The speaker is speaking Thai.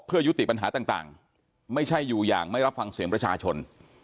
เพื่อยุติปัญหาต่างไม่ใช่อยู่อย่างไม่รับฟังเสียงประชาชน